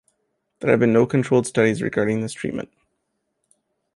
There have been no controlled studies regarding this treatment.